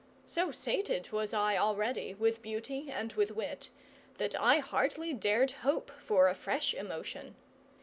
So sated was I already with beauty and with wit, that I hardly dared hope for a fresh emotion.